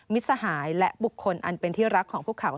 สหายและบุคคลอันเป็นที่รักของพวกเขา